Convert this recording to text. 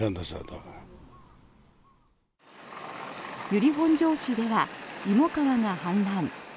由利本荘市では芋川が氾濫。